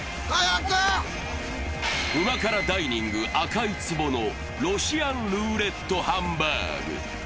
旨辛ダイニング・赤い壺のロシアンルーレットハンバーグ。